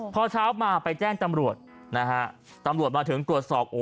พอเช้ามาไปแจ้งตำรวจนะฮะตำรวจมาถึงตรวจสอบ